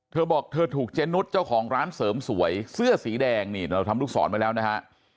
เธอบอกเธอถูกเจนุสเจ้าของร้านเสริมสวยเสื้อสีแดงนี่เราทำลูกศรไว้แล้วนะฮะ